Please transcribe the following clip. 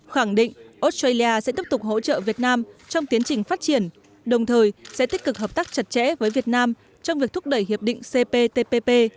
khẳng định australia sẽ tiếp tục hỗ trợ việt nam trong tiến trình phát triển đồng thời sẽ tích cực hợp tác chặt chẽ với việt nam trong việc thúc đẩy hiệp định cptpp